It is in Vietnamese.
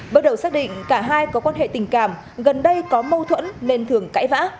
bước đầu xác định cả hai có quan hệ tình cảm gần đây có mâu thuẫn nên thường cãi vã